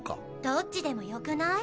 「どっちでもよくない？」